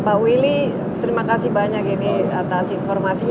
pak willy terima kasih banyak ini atas informasinya